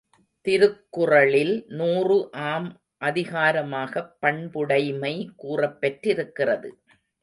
திருக்குறளில் நூறு ஆம் அதிகாரமாகப் பண்புடைமை கூறப்பெற்றிருக்கிறது.